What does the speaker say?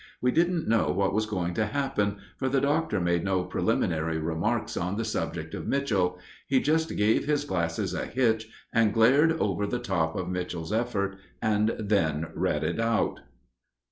We didn't know what was going to happen, for the Doctor made no preliminary remarks on the subject of Mitchell. He just gave his glasses a hitch and glared over the top of Mitchell's effort and then read it out.